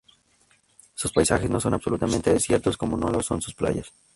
Sus paisajes no son absolutamente desiertos, como no lo son sus playas.